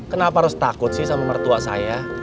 kenapa harus takut sih sama mertua saya